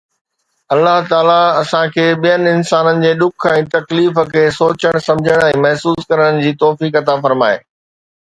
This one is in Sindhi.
الله تعاليٰ اسان کي ٻين انسانن جي ڏک ۽ تڪليف کي سوچڻ، سمجهڻ ۽ محسوس ڪرڻ جي توفيق عطا فرمائي